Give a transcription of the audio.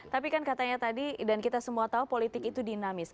tapi kan katanya tadi dan kita semua tahu politik itu dinamis